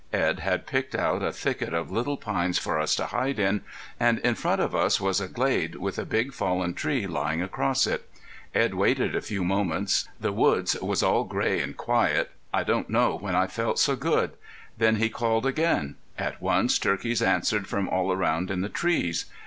Edd had picked out a thicket of little pines for us to hide in, and in front of us was a glade with a big fallen tree lying across it. Edd waited a few moments. The woods was all gray and quiet. I don't know when I've felt so good. Then he called again. At once turkeys answered from all around in the trees.